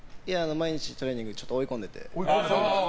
毎日トレーニングで追い込んでて。